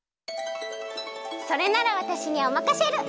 それならわたしにおまかシェル！